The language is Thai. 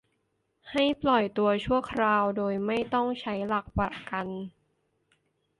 ให้ปล่อยตัวชั่วคราว โดยไม่ต้องใช้หลักประกัน